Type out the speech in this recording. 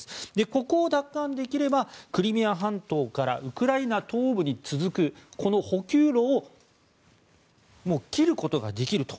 ここを奪還できればクリミア半島からウクライナ東部に続くこの補給路をもう切ることができると。